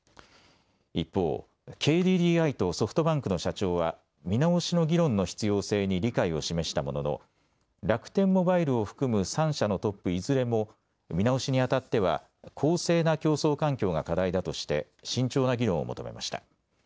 一方、ＫＤＤＩとソフトバンクの社長は見直しの議論の必要性に理解を示したものの楽天モバイルを含む３社のトップいずれも見直しにあたっては公正な競争環境が課題だとして慎重な議論を求めました。